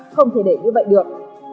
không thể để như vậy được